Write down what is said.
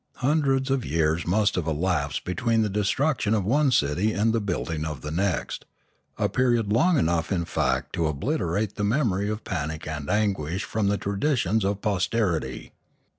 Hundreds of years must have elapsed between the destruction of one city and the building of the next, a period long enough in fact to obliterate the memory of panic and anguish from the traditions of posterity.